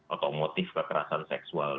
atau motif kekerasan seksual